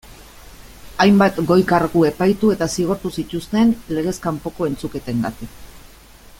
Hainbat goi kargu epaitu eta zigortu zituzten legez kanpoko entzuketengatik.